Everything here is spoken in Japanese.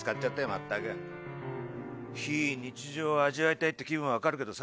全く・非日常を味わいたいって気分は分かるけどさ